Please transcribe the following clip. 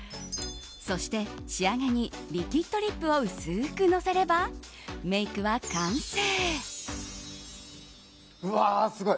そして、仕上げにリキッドリップを薄くのせればメイクは完成。